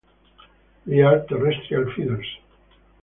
They are terrestrial feeders.